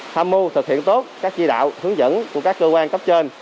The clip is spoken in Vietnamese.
tham mưu thực hiện tốt các chỉ đạo hướng dẫn của các cơ quan cấp trên